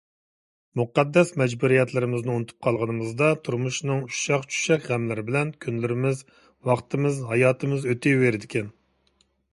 مۇقەددەس مەجبۇرىيەتلىرىمىزنى ئۇنتۇپ قالغىنىمىزدا تۇرمۇشنىڭ ئۇششاق-چۈششەك غەملىرى بىلەن كۈنلىرىمىز، ۋاقتىمىز، ھاياتىمىز ئۆتىۋېرىدىكەن.